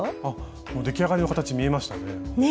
もう出来上がりの形見えましたね。